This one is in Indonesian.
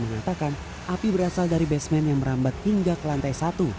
mengatakan api berasal dari basement yang merambat hingga ke lantai satu